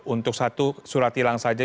untuk satu surat hilang saja